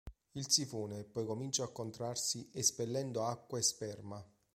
Il sifone poi comincia a contrarsi espellendo acqua e sperma.